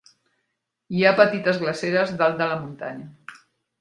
Hi ha petites glaceres dalt la muntanya.